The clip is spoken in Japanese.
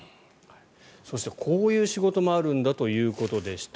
そして、こういう仕事もあるんだということでした。